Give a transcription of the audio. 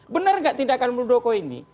benar nggak tindakan muldoko ini